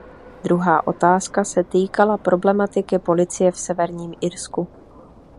Druhá otázka se týkala problematiky policie v Severním Irsku.